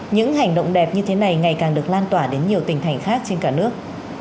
những hành động đẹp như thế này ngày càng được lan tỏa đến nhiều tỉnh thành khác trên cả nước